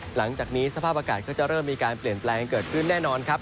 หลังจากนี้สภาพอากาศก็จะเริ่มมีการเปลี่ยนแปลงเกิดขึ้นแน่นอนครับ